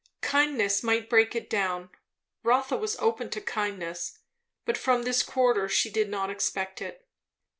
Kindness might break it down; Rotha was open to kindness; but from this quarter she did not expect it.